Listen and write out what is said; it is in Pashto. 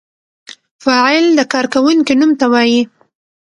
فاعل د کار کوونکی نوم ته وايي.